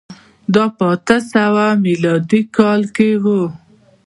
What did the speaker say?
دا په اته سوه میلادي کال کي و.